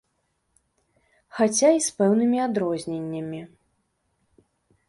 Хаця і з пэўнымі адрозненнямі.